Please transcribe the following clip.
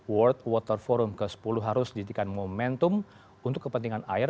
world water forum ke sepuluh harus dijadikan momentum untuk kepentingan air